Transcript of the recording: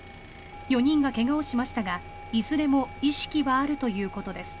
４人が怪我をしましたがいずれも意識はあるということです。